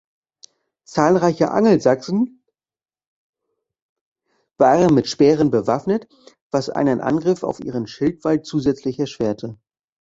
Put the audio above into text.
Zahlreiche Angelsachsen waren mit Speeren bewaffnet, was einen Angriff auf ihren Schildwall zusätzlich erschwerte.